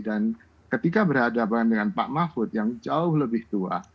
dan ketika berhadapan dengan pak mahfud yang jauh lebih tua